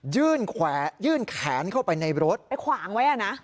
ยื่นแขนเข้าไปในรถไปขวางไว้อ่ะนะ